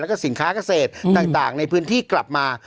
แล้วก็สินค้าเกษตรต่างในพื้นที่กลับมา